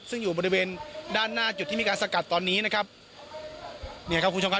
ซึ่งอยู่บริเวณด้านหน้าจุดที่มีการสกัดตอนนี้นะครับเนี่ยครับคุณผู้ชมครับ